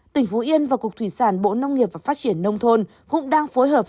tỉnh phú yên và cục thủy sản bộ nông nghiệp và phát triển nông thôn cũng đang phối hợp